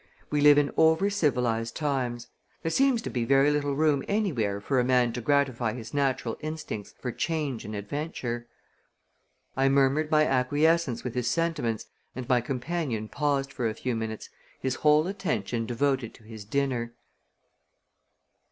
We live in overcivilized times. There seems to be very little room anywhere for a man to gratify his natural instincts for change and adventure." I murmured my acquiescence with his sentiments and my companion paused for a few minutes, his whole attention devoted to his dinner.